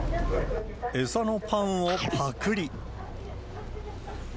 餌のパンをぱくり。